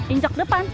injok ke depan